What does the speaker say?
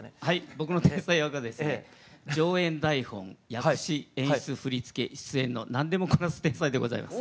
僕の天才役はですね上演台本訳詞演出振付出演の何でもこなす天才でございます。